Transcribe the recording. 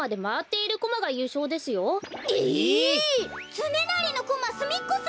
つねなりのコマすみっこすぎる！